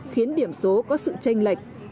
khiến điểm số có sự tranh lệch